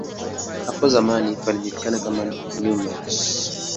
Hapo zamani palijulikana kama "Nemours".